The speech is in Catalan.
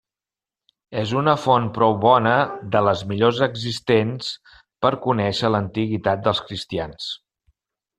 És una font prou bona, de les millors existents, per conèixer l'antiguitat dels cristians.